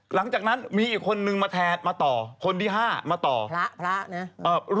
หลังจากนั้นมีอีกคนนึงมาแทนมาต่อคนที่๕มาต่อพระพระนะ